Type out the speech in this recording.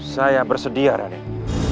saya bersedia raden